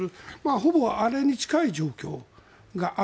ほぼあれに近い状況がある。